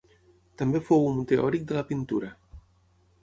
També fou un teòric de la pintura.